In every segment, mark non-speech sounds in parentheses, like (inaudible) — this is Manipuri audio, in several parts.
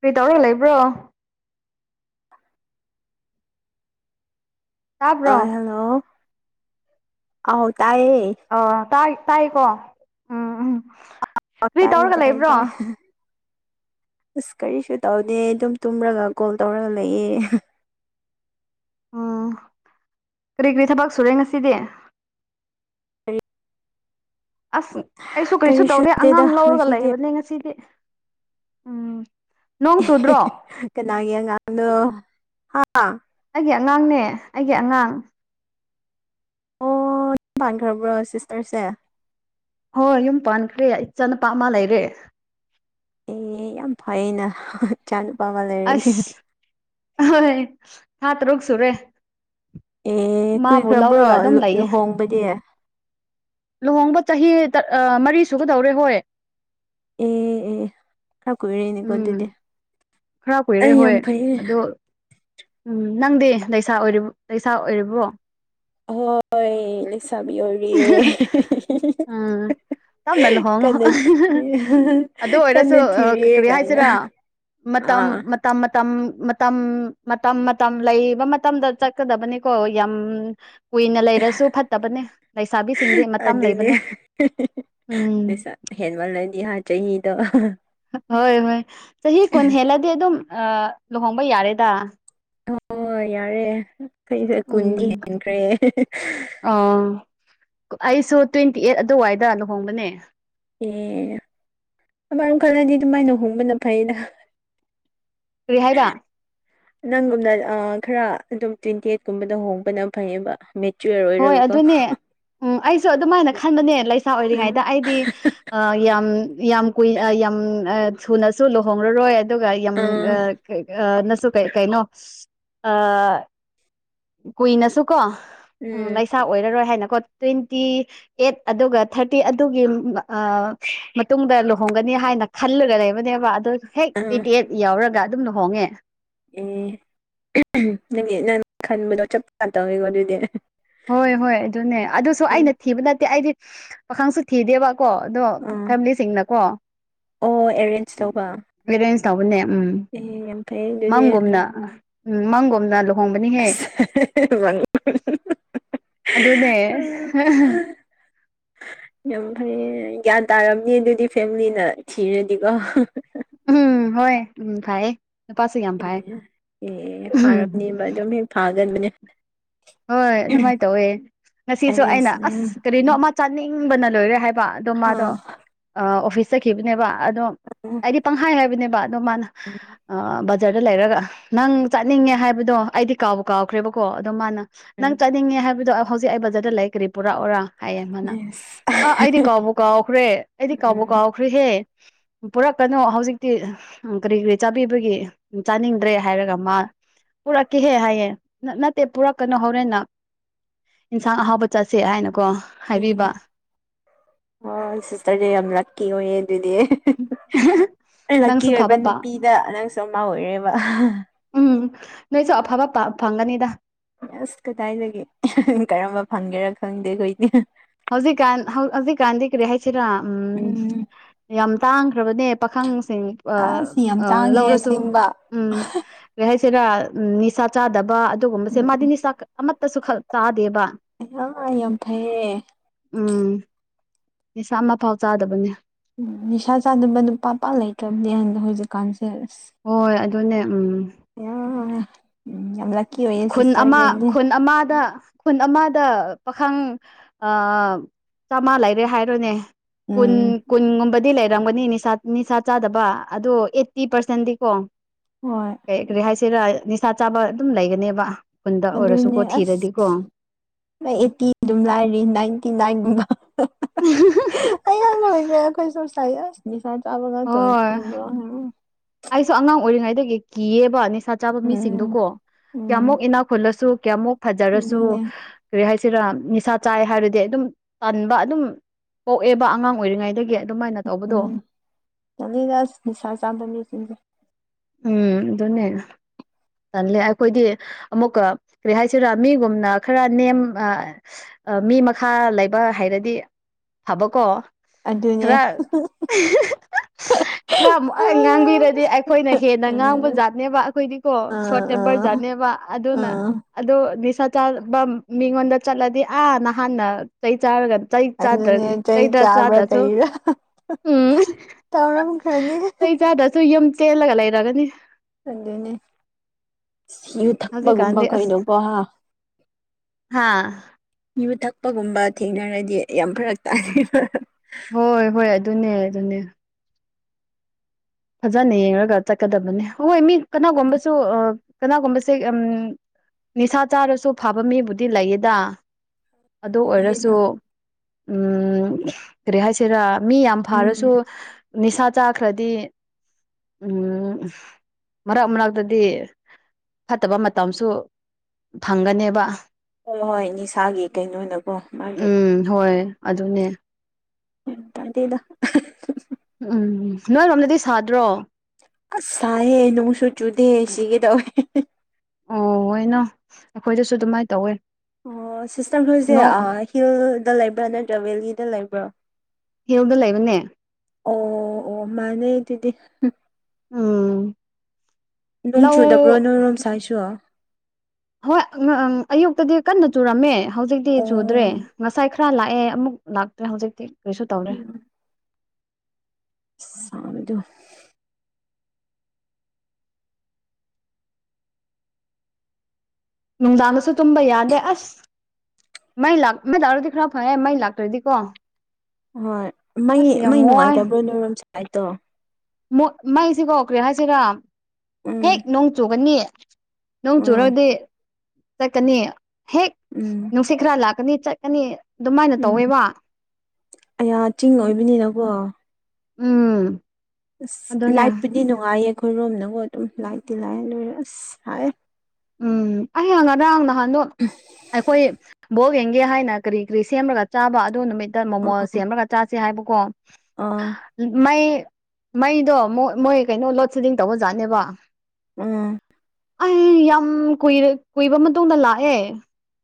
ꯀꯩ ꯇꯧꯔꯒ ꯂꯩꯕ꯭ꯔꯣ ꯇꯥꯕ꯭ꯔꯣ ꯍꯦꯜꯂꯣ ꯑꯥꯎ ꯇꯥꯏꯌꯦ ꯑ ꯇꯥꯏ ꯇꯥꯏꯀꯣ ꯎꯝ ꯎꯝ ꯀꯔꯤ ꯇꯥꯢ ꯇꯧꯔꯒ ꯇꯥꯢ ꯂꯩꯕ꯭ꯔꯣ ꯑꯁ ꯀꯔꯤꯁꯨ ꯇꯧꯗꯦ ꯑꯗꯨꯝ ꯇꯨꯝꯔꯒ ꯀꯣꯜ ꯇꯧꯔꯒ ꯂꯩꯌꯦ ꯎꯝ ꯀꯔꯤ ꯀꯔꯤ ꯊꯕꯛ ꯁꯨꯔꯦ ꯉꯁꯤꯗꯤ ꯀꯔꯤ ꯑꯁ ꯑꯩꯁꯨ ꯀꯔꯤꯁꯨ ꯇꯧꯗꯦ ꯅꯠꯇꯦꯗ ꯑꯉꯥꯡ ꯂꯧꯔꯒ ꯉꯁꯤꯗꯤ ꯂꯩꯕꯅꯦ ꯉꯁꯤꯗꯤ ꯎꯝ ꯅꯣꯡ ꯆꯨꯗ꯭ꯔꯣ ꯀꯅꯥꯒꯤ ꯑꯉꯥꯡꯅꯣ ꯍꯥ ꯑꯩꯒꯤ ꯑꯉꯥꯡꯅꯦ ꯑꯩꯒꯤ ꯑꯉꯥꯡ ꯌꯨꯝ ꯄꯥꯟꯈꯔꯕꯔꫭ ꯁꯤꯁꯇꯔꯁꯦ ꯍꯣꯏ ꯌꯨꯝ ꯄꯥꯟꯈ꯭ꯔꯦ ꯏꯆꯥ ꯅꯨꯄꯥ ꯑꯃ ꯂꯩꯔꯦ ꯑꯦ ꯌꯥꯝ ꯐꯩꯩꯅ ꯏꯆꯥ ꯅꯨꯨꯄꯥ ꯑꯃ ꯂꯩꯔꯅꯦ ꯑꯁ ꯍꯣꯏ ꯊꯥ ꯇꯔꯨꯛꯁꯨꯨꯔꯦ ꯑꯦ ꯃꯥꯕꯨ ꯀꯨꯏꯈ꯭ꯔꯕ꯭ꯔꯣ ꯂꯧꯔꯒ ꯑꯗꯨꯝ ꯂꯩꯌꯦ ꯂꯨꯍꯣꯡꯕꯗꯤ ꯑꯦ ꯂꯨꯍꯣꯡꯕ ꯆꯍꯤ ꯃꯔꯤ ꯁꯨꯒꯗꯧꯔꯦ ꯍꯣꯏ ꯑꯦ ꯑꯦ ꯈꯔ ꯀꯨꯔꯦꯅꯦꯀꯣ ꯑꯗꯨꯗꯤ ꯎꯝ ꯈꯔ ꯀꯨꯏꯔꯦ ꯑꯩ ꯌꯥꯝ ꯍꯣꯏ ꯐꯩꯌꯦ ꯑꯗꯣ ꯎꯝ ꯅꯪꯗꯤ ꯂꯩꯁꯥ ꯑꯣꯏꯔꯤꯕ ꯂꯩꯁꯥ ꯑꯣꯏꯔꯤꯕꯣ ꯍꯣꯏ ꯂꯩꯁꯥꯕꯤ ꯑꯣꯏꯔꯤꯌꯦ ꯎꯝ ꯇꯞꯅ ꯂꯨꯍꯣꯡꯉꯨ ꯀꯟꯅ ꯑꯗꯨ ꯑꯣꯏꯔꯁꯨ ꯀꯟꯅ ꯊꯤꯔꯤꯌꯦ ꯀꯔꯤ ꯀꯥꯏꯅ ꯍꯥꯏꯁꯤꯔꯥ ꯃꯇꯝ ꯑꯥ ꯃꯇꯝ ꯃꯇꯝ ꯃꯇꯝ ꯃꯇꯝ ꯃꯇꯝ ꯂꯩꯕ ꯃꯇꯝꯗ ꯆꯠꯀꯗꯕꯅꯤꯀꯣ ꯌꯥꯝ ꯀꯨꯏꯅ ꯂꯩꯔꯁꯨ ꯐꯠꯇꯕꯅꯦ ꯂꯩꯁꯥꯕꯤꯁꯤꯡꯗꯤ ꯃꯇꯝ ꯑꯗꯨꯅꯦ ꯂꯩꯕꯅꯦ ꯎꯝ ꯂꯩꯁꯥ ꯍꯦꯟꯃꯜꯂꯗꯤ ꯍꯥ ꯆꯍꯤꯗꯣ ꯍꯣꯏ ꯍꯣꯏ ꯆꯍꯤ ꯀꯨꯟ ꯍꯦꯜꯂꯗꯤ ꯑꯗꯨꯝ ꯂꯨꯍꯣꯡꯕ ꯌꯥꯔꯦꯗ ꯑꯣ ꯌꯥꯔꯦ ꯑꯩꯁ ꯀꯨꯟꯗꯤ ꯎꯝ ꯍꯦꯟꯈ꯭ꯔꯦ ꯑ ꯑꯩꯁꯨ ꯇ꯭ꯋꯦꯟꯇꯤ ꯑꯩꯠ ꯑꯗꯨꯋꯥꯏꯗ ꯂꯨꯍꯣꯡꯕꯅꯦ ꯑꯦ ꯑꯃꯥꯏꯅ ꯈꯜꯂꯗꯤ ꯑꯗꯨꯃꯥꯏꯅ ꯍꯣꯡꯕꯅ ꯐꯩꯗ ꯀꯔꯤ ꯍꯥꯏꯕ ꯅꯪꯒꯨꯝꯅ ꯈꯔ ꯑꯗꯨꯝ ꯇ꯭ꯔꯤꯟꯇꯦꯠꯀꯨꯝꯕꯗ ꯍꯣꯡꯕꯅ ꯐꯩꯌꯦꯕ ꯃꯦꯆꯔ ꯍꯣꯏ ꯑꯗꯨꯅꯦ ꯎꯝ ꯑꯩꯁꯨ ꯑꯗꯨꯃꯥꯏꯅ ꯈꯟꯕꯅꯦ ꯂꯩꯁꯥ ꯑꯥ ꯑꯣꯏꯔꯤꯉꯩꯗ ꯑꯩꯗꯤ ꯑ ꯌꯥꯝ ꯌꯥꯝ ꯀꯨꯏ ꯌꯥꯝ ꯊꯨꯅꯁꯨ ꯂꯨꯍꯣꯡꯂꯔꯣꯏ ꯑꯗꯨꯒ ꯌꯥꯝ ꯎꯝ ꯅꯁꯨ ꯀꯩ ꯀꯩꯅꯣ ꯀꯨꯏꯅꯁꯨꯀꯣ ꯎꯝ ꯂꯩꯁꯥ ꯑꯣꯏꯔꯔꯣꯏ ꯍꯥꯏꯅꯀꯣ ꯇ꯭ꯋꯦꯟꯇꯤ ꯑꯦꯠ ꯑꯗꯨꯒ ꯊꯥꯔꯇꯤ ꯑꯗꯨꯒꯤ ꯃꯇꯨꯡꯗ ꯂꯨꯍꯣꯡꯒꯅꯤ ꯍꯥꯏꯅ ꯈꯜꯂꯒ ꯂꯩꯕꯅꯦꯕ ꯑꯗꯣ ꯍꯦꯛ ꯑꯥ ꯇ꯭ꯋꯦꯟꯇꯤ ꯑꯩꯠ ꯌꯥꯎꯔꯒ ꯑꯗꯨꯝ ꯂꯨꯍꯣꯡꯉꯦ ꯑꯦ ꯅꯪ ꯅꯪ ꯈꯟꯕꯗꯣ ꯆꯞ ꯆꯥ ꯇꯧꯋꯦꯀꯣ ꯑꯗꯨꯏꯗꯤ ꯍꯣꯏ ꯍꯣꯏ ꯑꯗꯨꯅꯦ ꯑꯗꯨꯁꯨ ꯑꯩꯅ ꯊꯤꯕ ꯅꯠꯇꯦ ꯑꯩꯗꯤ ꯄꯥꯈꯪꯁꯨ ꯊꯤꯗꯦꯕ ꯀꯣ ꯑꯗꯣ ꯑꯥ ꯐꯦꯃꯤꯂꯤꯁꯤꯡꯅꯀꯣ ꯑꯣ ꯑꯦꯔꯦꯟꯖ ꯇꯧꯕ ꯑꯦꯔꯦꯟꯁ ꯇꯧꯕꯅꯦ ꯎꯝ ꯑꯦ ꯌꯥꯝ ꯐꯩ ꯑꯗꯨꯗꯤ ꯃꯪꯒꯨꯝꯅ ꯎꯝ ꯃꯪꯒꯨꯝꯅ ꯂꯨ (inaudible) (inaudible) ꯑꯗꯨꯅꯦ ꯌꯥꯝ ꯐꯩꯌꯦ ꯒ꯭ꯌꯥꯟ ꯇꯥꯔꯝꯅꯤ ꯑꯗꯨꯗꯤ ꯐꯦꯃꯤꯂꯤꯅ ꯊꯤꯔꯗꯤꯀꯣ ꯎꯝ ꯍꯣꯏ ꯎꯝ ꯐꯥꯏꯌꯦ ꯅꯨꯄꯥꯁꯨ ꯌꯥꯝ ꯐꯥꯏ ꯑꯦ ꯑꯦ ꯎꯝ ꯐꯥꯔꯕꯅꯦꯕ ꯑꯗꯨꯝ ꯃꯤ ꯐꯥꯒꯟꯕꯅꯦ ꯍꯣꯏ ꯑꯗꯨꯃꯥꯏꯅ ꯇꯧꯋꯦ ꯉꯁꯤꯁꯨ ꯑꯩꯅ ꯑꯦꯔꯦꯟꯖ ꯑꯁ ꯀꯔꯤꯅꯣ ꯑꯃ ꯆꯥꯅꯤꯡꯕꯅ ꯂꯣꯏꯔꯦ ꯍꯥꯏꯕ ꯑꯗꯣ ꯃꯥꯗꯣ ꯑꯣꯐꯤꯁ ꯆꯠꯈꯤꯕꯅꯦꯕ ꯑꯗꯣ UNINTELLIGIBLE ꯑꯩꯗꯤ ꯄꯪꯍꯥꯏ ꯍꯥꯏꯕꯅꯦꯕ ꯑꯗꯣ ꯃꯥꯅ ꯑꯥ UNINTELLIGIBLE ꯗ ꯂꯩꯔꯒ ꯅꯪ ꯆꯠꯅꯤꯡꯉꯦ ꯍꯥꯏꯕꯗꯣ ꯑꯩꯗꯤ ꯀꯥꯎꯕ ꯀꯥꯎꯈ꯭ꯔꯦꯕꯀꯣ ꯑꯗꯣ ꯃꯥꯅ ꯆꯅꯤꯡꯉꯦ ꯍꯥꯏꯕꯗꯣ ꯍꯧꯖꯤꯛ ꯑꯩ ꯕꯖꯔꯗ ꯂꯩ ꯀꯔꯤ ꯄꯨꯔꯛꯑꯣꯔꯥ ꯍꯥꯏꯌꯦꯦꫪ ꯃꯥꯟꯅ ꯑ ꯑꯩꯗꯤ ꯀꯥꯎꯕꯨ ꯀꯥꯎꯈ꯭ꯔꯦ ꯑꯩꯗꯤ ꯀꯥꯎꯕꯨ ꯀꯥꯎꯈ꯭ꯔꯦꯍꯦ ꯄꯨꯔꯛꯀꯅꫭ ꯍꯧꯖꯤꯛꯇꯤ ꯎꯝ ꯀꯔꯤ ꯀꯔꯤ ꯆꯥꯕꯤꯕꯒꯤ ꯆꯥꯅꯤꯡꯗ꯭ꯔꯦ ꯍꯥꯏꯔꯒ ꯃꯥ ꯄꯨꯔꯛꯀꯦꯍꯦ ꯍꯥꯏꯌꯦ ꯅꯠꯇꯦ ꯄꯨꯔꯛ ꯀꯩꯅꯣ ꯍꯧꯔꯦꯟꯅ ꯏꯟꯁꯥꯡ ꯑꯍꯥꯎꯕ ꯆꯥꯁꯦ ꯍꯥꯏꯅꯀꯣ ꯍꯥꯏꯕꯤꯕ ꯍꫭꯏ ꯁꯤꯁꯇꯔꯗꯤ ꯌꯥꯝ ꯂꯛꯀꯤ ꯑꯣꯏꯌꯦ ꯑꯗꯨꯗꯤ ꯂꯛꯀꯤ ꯅꯪꯁꯨ ꯑꯣꯏꯕ ꯐꯕ ꯄꯥ ꯅꯨꯄꯤꯗ ꯅꯪꯁꯨ ꯑꯃ ꯑꯣꯏꯔꯦꯕ ꯎꯝ ꯅꯣꯏꯁꯨ ꯑꯐꯕ ꯐꯪꯒꯅꯤꯗ ꯑꯁ ꯀꯗꯥꯏꯗꯒꯤ ꯀꯔꯝꯕ ꯐꯪꯒꯦꯔꯥ ꯈꯪꯗꯦ ꯑꯩꯈꯣꯏꯗꯤ ꯍꯧꯖꯤꯛ ꯀꯥꯟ ꯍꯧ ꯍꯧꯖꯤꯛ ꯀꯥꯟꯗꯤ ꯀꯔꯤ ꯍꯥꯏꯁꯤꯔ ꯎꯝ ꯌꯥꯝ ꯇꯥꯡꯈ꯭ꯔꯕꯅꯦ ꯄꯥꯈꯪꯁꯤꯡ ꯑꯁ ꯌꯥꯝ ꯇꯥꯡꯉꯦ ꯂꯧꯔꯁꯨ ꯑꯁꯦꯡꯕ ꯎꯝ ꯀꯩ ꯍꯥꯏꯁꯤꯔꯥ ꯅꯤꯁꯥ ꯆꯥꯗꯕ ꯑꯗꯨꯒꯨꯝꯕꯁꯦ ꯎꯝ ꯃꯥꯗꯤ ꯅꯤꯁꯥ ꯑꯃꯠꯇꯁꯨ ꯈꯛ ꯆꯥꯗꯦꯕ ꯑꯌꯥ ꯌꯥꯝ ꯐꯩꯌꯦ ꯎꯝ ꯅꯤꯁꯤ ꯑꯃ ꯐꯥꯎ ꯆꯥꯗꯕꯅꯦ ꯎꯝ ꯅꯤꯁꯥ ꯆꯥꯗꯕ ꯅꯨꯄꯥꯄꯥ ꯂꯩꯇ꯭ꯔꯕꯅꯦꯗ ꯍꯧꯖꯤꯛꯀꯥꯟꯁꯦ ꯑꯁ ꯍꯣꯏ ꯑꯗꯨꯅꯦ ꯎꯝ ꯑ (unintelligible) ꯈꯨꯟ ꯑꯃ ꯈꯨꯟ ꯑꯃꯗ ꯈꯨꯟ ꯑꯃꯗ ꯄꯥꯈꯪ ꯑꯥ ꯆꯥꯝꯃꯥ ꯂꯩꯔꯦ ꯍꯥꯏꯔꯣꯅꯦ ꯀꯨꯟ ꯎꯝ ꯀꯟꯒꯨꯝꯕꯗꯤ ꯂꯩ ꯂꯩꯔꯝꯒꯅꯤ ꯅꯤꯁ ꯅꯤꯁꯥ ꯆꯥꯗꯕ ꯑꯗꯣ ꯑꯩꯠꯇꯤ ꯄꯥꯔꯁꯦꯟꯗꯤ ꯀꯣ ꯍꯣꯏ ꯀꯔꯤ ꯀꯔꯤ ꯍꯥꯏꯁꯤꯔꯥ ꯅꯤꯁꯥ ꯆꯥꯕ ꯑꯗꯨꯝ ꯂꯩꯒꯅꯦꯕ ꯈꯨꯟꯗ ꯑꯣꯏꯔꯁꯨꯀꯣ ꯑꯗꯨꯅꯦ ꯑꯁ ꯊꯤꯔꯗꯤꯀꯣ ꯑꯩꯠꯇꯤ ꯑꯗꯨꯝ ꯂꯥꯏꯔꯤ ꯅꯥꯏꯟꯇꯤ ꯅꯥꯏꯟ ꯒꯨꯝꯕ ꯑꯩ ꯌꯥꯝ ꯂꯣꯏꯕ꯭ꯔꯦ ꯑꯩꯈꯣꯏꯁꯨꯁꯥꯏꯁ (unintelligible) ꯁꯥꯗ ꯑꯕꯒ ꯇ ꯍꯣꯏ ꯑꯣꯏꯅ (unintelligible) ꯑꯩꯁꯨ ꯑꯉꯥꯡ ꯑꯣꯏꯔꯤꯉꯩꯗꯒꯤ ꯀꯤꯑꯕ ꯅꯤꯁ ꯆꯥꯕ ꯃꯤꯁꯤꯡꯗꯨ ꯎꯝ ꯀꯣ ꯎꯝ ꯀꯌꯥꯃꯨꯛ ꯏꯅꯥꯛ ꯈꯨꯜꯂꯁꯨ ꯀꯌꯥꯃꯨꯛ ꯐꯖꯔꯁꯨ ꯑꯗꯨꯅꯦ ꯀꯔꯤ ꯍꯥꯏꯁꯤꯔꯥ ꯅꯤꯁꯥ ꯆꯥꯏ ꯍꯥꯏꯔꯗꯤ ꯑꯗꯨꯝ ꯇꯟꯥꯕ ꯑꯗꯨꯝ ꯄꯣꯛꯑꯦꯕ ꯑꯉꯥꯡ ꯑꯣꯏꯔꯤꯉꯩꯗꯒꯤ ꯑꯗꯨꯃꯥꯏꯅ ꯇꯧꯕꯗꯣ ꯇꯟꯂꯤꯗ ꯑꯁ ꯅꯤꯁꯥ ꯆꯥꯕ ꯃꯤꯁꯤꯡꯁꯦ ꯎꯝ ꯑꯗꯨꯅꯦꯦ ꯊꯟꯂ‌ꯦ ꯑꯩꯈꯣꯏꯗꯤ ꯑꯃꯨꯛꯀ ꯀꯔꯤ ꯍꯥꯏꯁꯤꯔꯥ ꯃꯤꯒꯨꯝꯅ ꯈꯔ ꯅꯦꯝ ꯑꯥ ꯃꯤ ꯃꯈꯥ ꯂꯩꯕ ꯍꯥꯏꯔꯗꯤ ꯐꯕꯀꯣ ꯑꯗꯨꯅꯦ ꯈꯔ ꯈꯔ ꯉꯥꯡꯕꯤꯔꯗꯤ ꯑꯩꯈꯣꯏꯅ ꯍꯦꯟꯅ ꯉꯥꯡꯕ ꯖꯥꯠꯅꯦꯕ ꯑꯩꯈꯣꯏꯗꯤ ꯀꯣ ꯑ ꯑ ꯁꯣꯔꯠ ꯑ ꯇꯦꯝꯄꯔꯖꯥꯠꯅꯦꯕ ꯑꯗꯨꯅ ꯑ ꯑꯗꯣ ꯅꯤꯁꯥ ꯆꯥꯕ ꯃꯤꯉꯣꯟꯗ ꯆꯠꯂꯗꯤ ꯑꯥ ꯅꯍꯥꯟꯅ ꯆꯩ ꯆꯥꯔꯒ ꯆꯥꯗ꯭ꯔ ꯑꯗꯨꯅꯦ ꯆꯩ ꯆꯩꯗ ꯆꯥꯕ꯭ꯔꯥ ꯆꯥꯗ꯭ꯔꯁꯨ ꯀꯔꯤꯔꯥ ꯎꯝ ꯇꯧꯔꯝꯈ꯭ꯔꯅꯤ ꯑꯩ ꯆꯥꯗ꯭ꯔꯁꯨ ꯌꯨꯝ ꯆꯦꯜꯂꯒ ꯂꯩꯔꯒꯅꯤ ꯑꯗꯅꯦ ꯌꯨ ꯊꯛꯄꯒꯨꯝꯕ ꯍꯧꯖꯤꯛꯀꯥꯟꯗꯤ ꯑꯁ ꯀꯩꯗꯧꯕ ꯍꯥꯥ ꯍꯥ ꯌꯨ ꯊꯛꯄꯒꯨꯝꯕ ꯊꯦꯡꯅꯔꯗꯤ ꯌꯥꯝ ꯐꯔꯛ ꯇꯥꯅ‌ꯦꯕ ꯍꯣꯏ ꯍꯣꯏ ꯑꯗꯨꯅꯦ ꯑꯗꯨꯅꯦ ꯐꯖꯅ ꯌꯦꯡꯒ ꯆꯠꯀꯗꯕꯅꯦ ꯍꯣꯏ ꯃꯤ ꯀꯅꯥꯒꯨꯝꯕꯁꯨ ꯀꯅꯥꯒꯨꯝꯕꯁꯦ ꯎꯝ ꯅꯤꯁꯥ ꯆꯥꯔꯁꯨ ꯐꯕ ꯃꯤꯕꯨꯗꯤ ꯂꯩꯌꯦꯗ ꯑꯗꯨ ꯑꯣꯏꯔꯁꯨ ꯎꯝ ꯀꯔꯤ ꯍꯥꯏꯁꯤꯔꯥ ꯃꯤ ꯌꯥꯝ ꯎꯝ ꯐꯥꯔꯁꯨ ꯅꯤꯁꯥ ꯆꯥꯈ꯭ꯔꯗꯤ ꯎꯝ ꯃꯔꯛ ꯃꯔꯛꯇꯗꯤ ꯐꯠꯇꯕ ꯃꯇꯝꯁꯨ ꯐꯪꯒꯅꯦꯕ ꯍꯣꯏ ꯍꯣꯏ ꯅꯤꯁꯥꯒꯤ ꯀꯩꯅꯣꯅꯀꯣ ꯃꯥꯒꯤ ꯎꯝ ꯍꯣꯏ ꯑꯗꯨꯅꯦ ꯌꯥꯝ ꯇꯥꯗꯦꯗ ꯎꯝ ꯅꯣꯏꯔꯣꯝꯗꯗꯤ ꯁꯥꯗ꯭ꯔꯣ ꯑꯁ ꯁꯥꯏꯌꯦ ꯅꯣꯡꯁꯨ ꯆꯨꯗꯦ ꯁꯤꯒꯦ ꯇꯧꯏ ꯑꯣꯏꯅꯣ ꯑꯈꯣꯏꯗꯁꯨ ꯑꯗꯨꯃꯥꯏ ꯇꯧꯋꯦ ꯑꯣ ꯁꯤꯁꯇꯔ ꯈꯣꯏꯁꯦ ꯅꯣꯡ ꯍꯤꯜꯗ ꯂꯩꯕ꯭ꯔꯥ ꯅꯠꯇ꯭ꯔꯥ ꯕꯦꯂꯤꯗ ꯂꯩꯕ꯭ꯔꯥ ꯍꯤꯜꯗ ꯂꯩꯕꯅꯦ ꯑꯣ ꯑꯣ ꯃꯥꯅꯦ ꯑꯗꯨꯗꯤ ꯎꯝ ꯅꯣꯡ ꯆꯨꯗꯕ꯭ꯔꯣ ꯂꯧ ꯅꯣꯏꯔꯣꯝ ꯁꯥꯏꯠꯁꯨꯨ ꯍꯣꯏ ꯑꯌꯨꯛꯇꯗꯤ ꯀꯟꯅ ꯆꯨꯔꯝꯃꯦ ꯍꯧꯖꯤꯛꯇꯤ ꯆꯨꯗ꯭ꯔꯦ ꯎꯝ ꯉꯁꯥꯏ ꯈꯔ ꯂꯥꯛꯑꯦ ꯑꯃꯨꯛ ꯂꯥꯛꯇ꯭ꯔꯦ ꯍꯧꯖꯤꯛꯇꯤ ꯀꯔꯤꯁꯨ ꯇꯧꯗꯔ‌ꯦ ꯁꯥꯕꯗꯣ ꯅꯨꯡꯗꯥꯡꯗꯁꯨ ꯇꯨꯝꯕ ꯌꯥꯗꯦ ꯑꯁ ꯃꯩ ꯂꯥꯛ ꯃꯩ ꯂꯥꯛꯔꯗꯤ ꯈꯔ ꯐꯩꯌꯦ ꯃꯩ ꯂꯥꯛꯇ꯭ꯔꯗꯤꯀꯣ ꯍꯣꯏ ꯃꯩ ꯑꯁ ꯃꯩ ꯌꯥꯝ ꯅꯨꯡꯉꯥꯏꯇꯕ꯭ꯔꯣ ꯅꯣꯏꯔꯣꯝ ꯁꯥꯏꯠꯇꯣ ꯃꯣꯠ ꯃꯩꯁꯤꯀꯣ ꯀꯔꯤ ꯍꯥꯏꯁꯤꯔꯥ ꯍꯦꯛ ꯎꯝ ꯅꯣꯡ ꯆꯨꯒꯅꯤ ꯅꯣꯡ ꯎꯝ ꯆꯨꯔꯗꯤ ꯆꯠꯀꯅꯤ ꯍꯦꯛ ꯎꯝ ꯁꯤ ꯈꯔ ꯂꯥꯛꯀꯅꯤ ꯆꯠꯀꯅꯤ ꯑꯗꯨꯃꯥꯏꯅ ꯎꯝ ꯇꯧꯋꯦꯕ ꯑꯌꯥ ꯆꯤꯡ ꯑꯣꯏꯕꯅꯤꯅꯀꯣ ꯎꯝ ꯑꯁ ꯑꯗꯨꯅꯦ ꯂꯥꯏꯠꯄꯨꯗꯤ ꯅꯨꯡꯉꯥꯏꯌꯦ ꯑꯩꯈꯣꯏꯔꯣꯝꯅꯃꯨꯛ ꯑꯗꯨꯝ ꯂꯥꯏꯠꯇꯤ ꯂꯥꯛꯑꯦ ꯂꯣꯏꯔꯦ ꯑꯁ ꯁꯥꯏꯌꯦ ꯎꯝ ꯑꯩꯌꯥ ꯉꯔꯥꯡ ꯅꯍꯥꯟꯗꯣ ꯑꯩꯈꯣꯏ ꯕꯣꯜ ꯌꯦꯡꯒꯦ ꯍꯥꯏꯅ ꯀꯔꯤ ꯀꯔꯤ ꯁꯦꯝꯔꯒ ꯆꯥꯕ ꯑꯗꯨ ꯅꯨꯃꯤꯠꯇ ꯃꯣꯃꯣ ꯁꯦꯝꯔꯒ ꯆꯥꯁꯦ ꯍꯥꯏꯕꯀꯣ ꯑ ꯃꯩ ꯃꯩꯗꯣ ꯃꯣꯏ ꯃꯣꯏ ꯀꯩꯅꯣ ꯂꯣꯗ ꯁꯦꯗꯤꯡ ꯇꯧꯕꯖꯥꯠꯅꯦꯕ ꯎꯝ ꯑꯩ ꯌꯥꯝ ꯀꯨꯏꯔ ꯀꯨꯏꯕ ꯃꯇꯨꯡꯗ ꯂꯥꯛꯑꯦ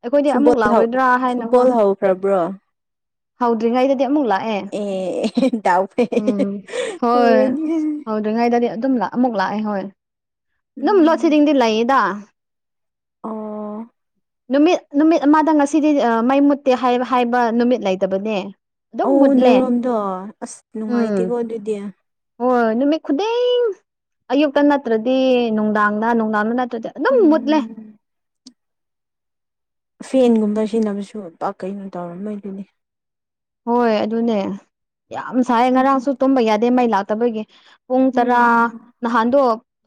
ꯑꯩꯈꯣꯏꯗꯤ ꯑꯃꯨꯛ ꯂꯥꯎꯔꯣꯏꯗ꯭ꯔꯥ ꯍꯥꯏꯅꯀꯣ ꯐ꯭ꯔꯕ꯭ꯔꯣ ꯍꯧꯗ꯭ꯔꯤꯉꯩꯗꯗꯤ ꯑꯃꯨꯛ ꯂꯥꯛꯑꯦ ꯑꯦ ꯗꯥꯎ ꯐꯩ ꯍꯧꯔꯅꯤ ꯇ꯭ꯔꯤꯉꯩꯗꯗꯤ ꯑꯗꯨꯝ ꯂꯥꯛ ꯑꯃꯨꯛ ꯂꯥꯛꯑꯦ ꯍꯣꯏ ꯑꯗꯨꯝ ꯂꯣꯠ ꯎꯝ ꯁꯤꯗꯤꯡꯗꯤ ꯂꯩꯌꯦꯗ ꯑꯣ ꯅꯨꯃꯤꯠ ꯅꯨꯃꯤꯠ ꯑꯃꯗ ꯉꯁꯤꯗꯤ ꯃꯩ ꯃꯨꯠꯇꯦ ꯍꯥꯏ ꯍꯥꯏꯕ ꯅꯨꯃꯤꯠ ꯂꯩꯇꯕꯅꯦ ꯑꯗꯨꯝ ꯑꯧ ꯃꯨꯠꯂꯦ ꯅꯣꯏꯔꯣꯝꯗꯣ ꯑꯁ ꯎꯝ ꯅꯨꯡꯉꯥꯏꯇꯦꯀꯣ ꯑꯗꯨꯗꯤ ꯍꯣꯏ ꯅꯨꯃꯤꯠ ꯈꯨꯗꯤꯡ ꯑꯌꯨꯛꯇ ꯅꯠꯇ꯭ꯔꯗꯤ ꯅꯨꯡꯗꯥꯡꯗ ꯅꯨꯡꯗꯥꯡꯗ ꯇꯗ ꯑꯗꯨꯝ ꯃꯨꯠꯂꯦ ꯎꯝ ꯐꯦꯟꯒꯨꯝꯕ ꯁꯤꯖꯤꯟꯅꯕꯁꯨ ꯄꯥꯛ ꯀꯩꯅꯣ ꯇꯧꯔꯝꯃꯣꯏ ꯗꯨꯅꯤ ꯍꯣꯏ ꯑꯗꯨꯅꯦ ꯌꯥꯝ ꯁꯥꯏ ꯑꯦ ꯉꯔꯥꯡꯁꯨ ꯇꯨꯝꯕ ꯌꯥꯗꯦ ꯃꯩ ꯂꯥꯛꯇꯕꯒꯤ ꯄꯨꯡ ꯇꯔꯥ ꯅꯍꯥꯟꯗꯣ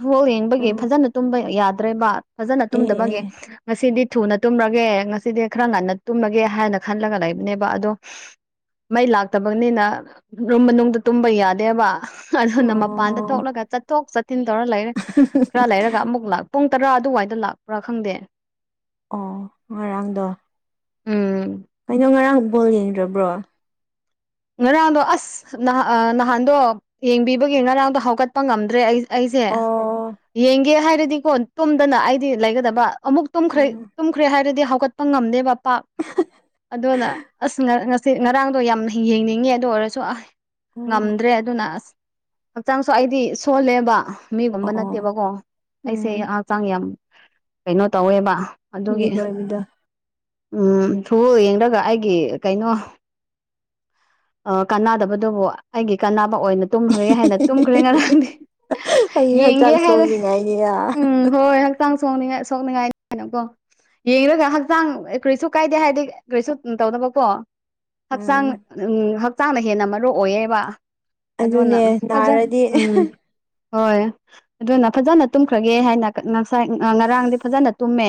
ꯐꯣꯜ ꯌꯦꯡꯕꯒꯤ ꯐꯖꯅ ꯇꯨꯝꯕ ꯌꯥꯗ꯭ꯔꯦꯕ ꯐꯖꯅ ꯑꯦ ꯇꯨꯝꯗꯕꯒꯦ ꯉꯁꯤꯗꯤ ꯊꯨꯅ ꯇꯨꯝꯔꯒꯦ ꯉꯁꯤꯗꯤ ꯈꯔ ꯉꯟꯅ ꯇꯨꯝꯔꯒꯦ ꯍꯥꯏꯅ ꯈꯜꯂꯒ ꯂꯩꯕꯅꯦꯕ ꯑꯗꯣ ꯃꯩ ꯂꯥꯛꯇꯕꯅꯤꯅ ꯔꯨꯝ ꯃꯅꯨꯡꯗ ꯇꯨꯝꯕ ꯌꯥꯗꯦ ꯍꯥꯏꯕ ꯑꯗꯨꯅ ꯃꯄꯥꯟꯗ ꯑꯣ ꯊꯣꯛꯂꯒ ꯆꯠꯊꯣꯛ ꯆꯠꯊꯤꯟ ꯇꯧꯔ ꯂꯩꯔꯦ ꯎ (unintelligible) ꯇꯔꯥ ꯂꯩꯔꯒ ꯑꯃꯨꯛ ꯂꯥꯛ ꯄꯨꯡ ꯇꯔꯥ ꯑꯗꯨꯋꯥꯏꯗ ꯂꯥꯛꯄ꯭ꯔꯥ ꯈꯪꯗꯦ ꯑꯣ ꯉꯔꯥꯡꯗꯣ ꯎꯝ ꯀꯩꯅꯣ ꯉꯔꯥꯡ ꯕꯣꯜ ꯌꯦꯡꯗ꯭ꯔꯕ꯭ꯔꯣ ꯉꯔꯥꯡꯗꯣ ꯑꯁ ꯅꯍ ꯅꯍꯥꯟꯗꯣ ꯌꯦꯡꯕꯤꯕꯒꯤ ꯉꯔꯥꯡꯗꯣ ꯍꯧꯒꯠꯄ ꯉꯝꯗ꯭ꯔꯦ ꯑꯩ ꯑꯩꯁꯦ ꯑꯣ ꯌꯦꯡꯒꯦ ꯍꯥꯏꯔꯗꯤꯀꯣ ꯇꯨꯝꯗꯅ ꯑꯩꯗꯤ ꯂꯩꯒꯗꯕ ꯑꯃꯨꯛꯨꯝꯈ꯭ꯔꯦ ꯇꯨꯝꯈ꯭ꯔꯦ ꯍꯥꯏꯔꯗꯤ ꯍꯧꯀꯠ ꯉꯝꯗꯦꯕ ꯄꯥꯛ ꯑꯗꯨꯅ ꯑꯁ ꯉꯁꯤ ꯉꯔꯥꯡꯗꯣ ꯌꯥꯝꯅ ꯌꯦꯡꯅꯤꯡꯉꯤ ꯑꯗꯨ ꯑꯣꯏꯔꯁꯨ ꯑꯁ ꯉꯝꯗ꯭ꯔꯦ ꯑꯗꯨꯅ ꯑꯁ ꯍꯛꯆꯥꯡꯁꯨ ꯑꯩꯗꯤ ꯁꯣꯜꯂꯦꯕ ꯃꯤꯒꯨꯝꯕ ꯑꯣ ꯅꯠꯇꯦꯕꯀꯣ ꯑꯩꯁꯦ ꯍꯛꯆꯥꯡ ꯌꯥꯝ ꯀꯩꯅꯣ ꯇꯧꯋꯦꯕ ꯑꯗꯨꯒꯤ ꯕꯤꯛ ꯑꯣꯏꯕꯗꯣ ꯎꯝ ꯊꯨꯕꯣꯜ ꯌꯦꯡꯔꯒ ꯑꯩꯒꯤ ꯀꯩꯅꯣ ꯑ ꯀꯥꯟꯅꯗꯕꯗꯨꯕꯨ ꯑꯩꯒꯤ ꯀꯥꯅꯕ ꯑꯣꯏꯅ ꯇꯨꯝꯈ꯭ꯔꯒꯦ ꯍꯥꯏꯅ ꯇꯨꯝꯈ꯭ꯔꯦ ꯉꯔꯥꯡꯗꯤ ꯑꯩ ꯌꯦꯡꯒꯦ ꯍꯛꯆꯥꯡ ꯍꯥꯏꯔꯦ ꯁꯣꯛꯅꯤꯡꯉꯥꯏꯅꯤꯌꯥ ꯎꯝ ꯍꯣꯏ ꯍꯛꯆꯥꯡ ꯁꯣꯛꯅꯤꯡꯉꯥꯏ ꯁꯣꯛꯅꯤꯡꯉꯥꯏꯅꯤ ꯀꯥꯏꯅꯀꯣ ꯌꯦꯡꯔꯒ ꯍꯛꯆꯥꯡ ꯀꯔꯤꯁꯨ ꯀꯥꯏꯗꯦ ꯍꯥꯏꯔꯗꯤ ꯀꯔꯤꯁꯨ ꯇꯧꯗꯕꯀꯣ ꯍꯛꯆꯥꯡ ꯎꯝ ꯎ ꯍꯛꯆꯥꯡꯗ ꯍꯦꯟꯅ ꯃꯔꯨ ꯑꯣꯏꯌꯦꯕ ꯑꯗꯨꯅ ꯑꯗꯨꯅꯦ ꯐꯖ ꯅꯥꯔꯗꯤ ꯎꯝ ꯍꯣꯏ ꯑꯗꯨꯅ ꯐꯖꯅ ꯇꯨꯝꯈ꯭ꯔꯒꯦ ꯍꯥꯏꯅ ꯉꯁꯥꯏ ꯉꯔꯥꯡꯗꯤ ꯐꯖꯅ ꯇꯨꯝꯃꯦ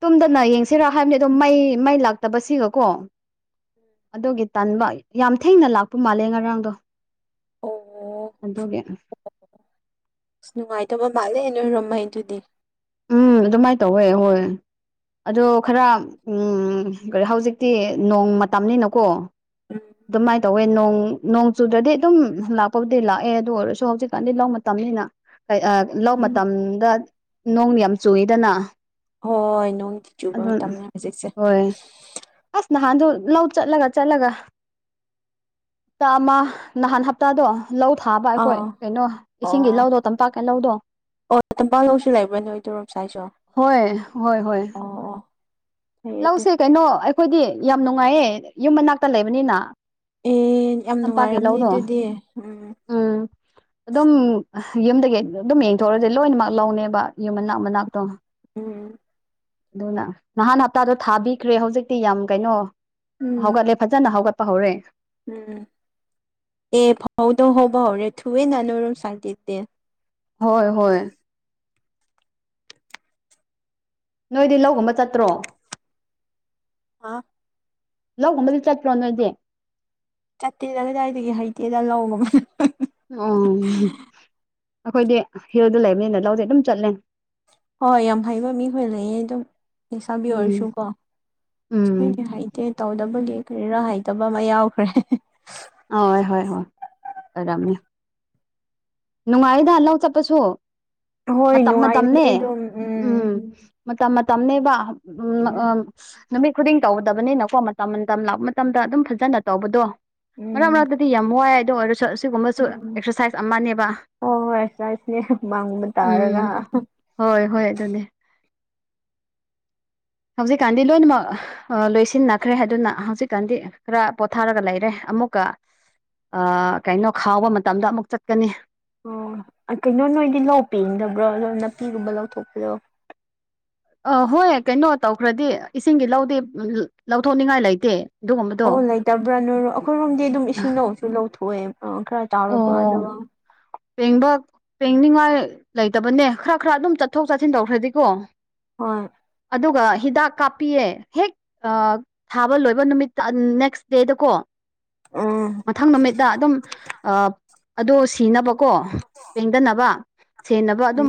ꯇꯨꯝꯗꯅ ꯌꯦꯡꯁꯤꯔꯥ ꯍꯥꯏꯕꯅꯤ ꯑꯗꯨꯝ ꯃꯩ ꯃꯩ ꯂꯥꯛꯇꯕꯁꯤꯒꯀꯣ ꯑꯗꯨꯒꯤ ꯇꯟꯥꯟꯕ ꯌꯥꯝ ꯊꯦꯡꯅ ꯂꯥꯛꯄ ꯃꯥꯜꯂꯦ ꯉꯔꯥꯡꯗꯣ ꯑꯣ ꯑꯗꯨꯒ ꯑꯁ ꯅꯨꯡꯉꯥꯏꯇꯕ ꯃꯥꯜꯂꯦ ꯅꯣꯏꯔꯝꯍꯩ ꯑꯗꯨꯗꯤ ꯎꯝ ꯑꯗꯨꯃꯥꯏꯅ ꯇꯧꯋꯦ ꯍꯣꯏ ꯑꯗꯣ ꯈꯔ ꯎ ꯀ ꯍꯧꯖꯤꯛꯇꯤ ꯅꯣꯡ ꯃꯇꯝꯅꯤꯅꯀꯣ ꯑꯗꯨꯃꯥꯏꯅ ꯇꯧꯋꯦ ꯅꯣꯡ ꯅꯣꯡ ꯆꯨꯗꯗꯤ ꯑꯗꯨꯝ ꯂꯥꯛꯄꯕꯨꯗꯤ ꯂꯥꯛꯑꯦ ꯑꯗꯨ ꯑꯣꯏꯔꯁꯨ ꯍꯧꯖꯤꯛꯀꯥꯟꯗꯤ ꯂ ꯃꯇꯝꯅꯤꯅ ꯂꯧ ꯎꯝ ꯃꯇꯝꯗ ꯅꯣꯡ ꯌꯥꯝ ꯆꯨꯏꯗꯅ ꯍꯣꯏ ꯍꯣꯏ ꯅꯣꯡꯗꯤ ꯆꯨꯕ ꯑꯗꯨ ꯃꯇꯝꯅꯤ ꯍꯧꯖꯤꯛꯁꯦ ꯍꯣꯏ ꯑꯁ ꯅꯍꯥꯟꯗꯣ ꯂꯧ ꯆꯠꯂꯒ ꯆꯠꯂꯒ ꯍꯞꯇꯥ ꯑꯃ ꯅꯍꯥꯟ ꯍꯞꯇꯥꯗꯣ ꯂꯧ ꯊꯥꯕ ꯑꯩꯈꯣꯏ ꯑꯥ ꯀꯩꯅꯣ ꯑꯣ ꯏꯁꯤꯡꯒꯤ ꯂꯧꯗꯣ ꯇꯝꯄꯥꯛꯀꯤ ꯂꯧꯗꯣ ꯑꯣ ꯇꯝꯄꯥꯛꯜꯂꯧꯁꯨ ꯂꯩꯕ ꯅꯣꯏ ꯇꯣꯔꯣꯝ ꯁꯥꯏꯁꯨ ꯍꯣꯏ ꯍꯣꯏ ꯍꯣꯏ ꯑꯣ ꯑꯣ ꯐꯩ ꯑꯗꯨ ꯂꯧꯁꯦ ꯀꯩꯅꯣ ꯑꯩꯈꯣꯏꯗꯤ ꯌꯥꯝ ꯅꯨꯡꯉꯥꯏꯌꯦ ꯌꯨꯝ ꯃꯅꯥꯛꯇ ꯂꯩꯕꯅꯤꯅ ꯑꯦ ꯌꯥꯝ ꯇꯝꯄꯥꯛꯀꯤꯦ ꯅꯨꯡꯉꯥꯏꯔꯝꯅꯤ ꯂꯧꯔꯣ ꯑꯗꯨꯗꯤ (inaudible) ꯑꯗꯨꯝ ꯌꯨꯝꯗꯒꯤ ꯑꯗꯨꯝ ꯌꯦꯡꯊꯣꯛꯑꯁꯦ ꯂꯣꯏꯅꯃꯛ ꯂꯧꯅꯦꯕ ꯌꯨꯝ ꯃꯅꯥꯛ ꯃꯅꯥꯛꯇꯣ ꯎꯝ ꯑꯗꯨꯅ ꯅꯍꯥꯟ ꯍꯞꯇꯥꯗꯣ ꯊꯥꯕꯤꯈ꯭ꯔꯦ ꯍꯧꯖꯤꯛꯇꯤ ꯌꯥꯝ ꯀꯩꯅꯣ ꯎꯝ ꯍꯧꯒꯠꯂꯦ ꯐꯖꯅ ꯍꯧꯒꯠꯄ ꯍꯧꯔꯦ ꯎꯝ ꯑꯦ ꯐꯥꯎꯗꯣ ꯍꯕ ꯔꯦ ꯊꯨꯋꯦ ꯅꯅꯔꯨꯝ ꯁꯥꯏꯗ ꯗ ꯍꯣꯏ ꯍꯣꯏ ꯅꯣꯏꯗꯤ ꯂꯧꯒꯨꯝꯕ ꯆꯠꯇ꯭ꯔꯣ ꯑ ꯂꯣꯒꯨꯝꯝꯕꯗꯤ ꯆꯠꯇ꯭ꯔꯣ ꯅꯗꯤꯦ ꯆꯠꯇꯦꯗ ꯀꯗꯥꯏꯗꯒꯤ ꯍꯩꯇꯦꯗ ꯂꯧꯉ ꯑꯣ ꯑꯩꯈꯣꯏꯗꯤ ꯍꯤꯜꯗ ꯂꯩꯕꯅꯤꯅ ꯂꯧꯗꯤꯦ ꯑꯗꯨꯝ ꯆꯠꯂꯦ ꯍꯣꯏ ꯍꯣꯏ ꯌꯥꯝ ꯍꯩꯕ ꯃꯤꯈꯣꯏ ꯂꯩꯌꯦ ꯑꯗꯨꯝꯁꯥꯕꯤ ꯎꯝ ꯑꯣꯏꯔꯁꯨꯀꯣ ꯎꯝ ꯑꯈꯣꯏꯗꯤ ꯍꯥꯏ ꯦ ꯇꯧꯗꯕꯒꯤ ꯀꯔꯤꯔꯥ ꯍꯩꯇꯕ ꯑꯃ ꯌꯥꯎꯈ꯭ꯔꯦ ꯍ ꯍꯣꯏ ꯍꯣꯏ ꯍꯣꯏ ꯑꯗꯨꯔꯝꯅꯤ ꯅꯨꯡꯉꯥꯏꯔꯤꯗ ꯂꯧ ꯆꯠꯄꯁꯨ ꯍꯣꯏ ꯃꯇꯝ ꯅꯨꯡꯉꯥꯏꯕꯅꯦ ꯃꯇꯝꯅꯦ ꯑꯗꯨꯝ ꯎꯝ ꯃꯇꯝ ꯃꯇꯝꯅꯦꯕ ꯎ ꯎꯝ ꯎ ꯅꯨꯃꯤꯠ ꯈꯨꯗꯤꯡ ꯇꯧꯗꯕꯅꯤꯅꯀꯣ ꯃꯇꯝ ꯃꯇꯝ ꯂꯥꯛꯄ ꯃꯇꯝꯗ ꯑꯗꯨꯝ ꯐꯖꯅ ꯇꯧꯕꯗꯣ ꯃꯔꯛ ꯎꯝ ꯃꯔꯛꯇꯗꯤ ꯌꯥꯝ ꯋꯥꯏ ꯑꯗꯨꯗꯣ ꯑꯣꯏꯔꯁꯨ ꯑꯁꯤꯒꯨꯝꯕꯁꯨ ꯎꯝ ꯑꯦꯛꯁꯔꯁꯥꯏꯁ ꯑꯃꯅꯦꯕ ꯍꯣꯏ ꯍꯣꯏ ꯑꯦꯛꯁꯔꯁꯥꯏꯁꯅꯦ ꯃꯥꯡꯕ ꯎꯝ ꯇꯥꯔꯒ ꯍꯣꯏ ꯍꯣꯏ ꯑꯗꯨꯅꯦ ꯍꯧꯖꯤꯛ ꯀꯥꯟꯗ ꯂꯣꯏꯅꯃꯛ ꯂꯣꯏꯁꯤꯟꯅꯈ꯭ꯔꯦ ꯑꯗꯨꯅ ꯍꯧꯖꯤꯛꯀꯥꯟꯗꯤ ꯈꯔ ꯄꯣꯊꯥꯔꯒ ꯂꯩꯔꯦ ꯑꯃꯨꯛꯀ ꯑꯥ ꯀꯩꯅꯣ ꯈꯥꯎꯕ ꯃꯇꯝꯗ ꯑꯃꯨꯛ ꯆꯠꯀꯅꯤ ꯑꯣ ꯀꯩꯅꯣ ꯅꯣꯏꯗꯤ ꯂꯧ ꯄꯦꯡꯗꯕ꯭ꯔꯣ ꯑꯗꯣ ꯅꯥꯄꯤꯒꯨꯝꯕ ꯂꯧꯊꯣꯛꯄꯗꯣ ꯑꯣ ꯍꯣꯏ ꯀꯩꯅꯣ ꯇꯧꯈ꯭ꯔꯗꯤ ꯏꯁꯤꯡꯒꯤ ꯂꯧꯗꯤ ꯂꯧꯊꯣꯛꯅꯤꯡꯉꯥꯏ ꯂꯩꯇꯦ ꯑꯗꯨꯒꯨꯝꯕꯗꯣ ꯑꯣ ꯂꯩꯇꯕ꯭ꯔꯥ ꯅꯣꯏꯔꯣ ꯑꯩꯈꯣꯏꯔꯣꯝꯗꯤ ꯑꯗꯨꯝ ꯏꯁꯤꯡ ꯂꯧꯁꯨ ꯂꯧꯊꯣꯛꯑꯦ ꯈꯔ ꯆꯥꯎꯔꯕ ꯑꯗꯨꯒ ꯄꯦꯡꯕꯣꯛ ꯄꯦꯡꯅꯤꯡꯉꯥꯏ ꯂꯩꯇꯕꯅꯦ ꯈꯔ ꯈꯔ ꯑꯗꯨꯝ ꯆꯠꯊꯣꯛ ꯆꯠꯁꯤꯟ ꯇꯧꯈ꯭ꯔꯗꯤꯀꯣ ꯍꯣꯏ ꯑꯗꯨꯒ ꯍꯤꯗꯥꯛ ꯀꯥꯞꯄꯤꯌꯦ ꯍꯦꯛ ꯊꯥꯕ ꯂꯣꯏꯕ ꯅꯨꯃꯤꯠꯇ ꯅꯦꯛꯁ ꯗꯦꯗꯀꯣ ꯎꯝ ꯃꯊꯪ ꯅꯨꯃꯤꯠꯇ ꯑꯗꯨꯝ ꯑ ꯑꯗꯣ ꯁꯤꯅꯕꯀꯣ ꯄꯦꯡꯗꯅꯕ ꯁꯦꯟꯅꯕ ꯑꯗꯨꯝ